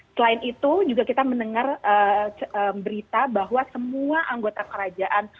selain itu juga kita mendengar berita bahwa semua anggota kerajaan